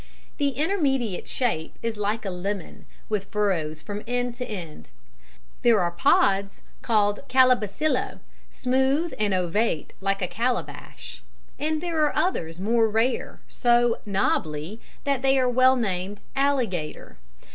The intermediate shape is like a lemon, with furrows from end to end. There are pods, called Calabacillo, smooth and ovate like a calabash, and there are others, more rare, so "nobbly" that they are well named "Alligator."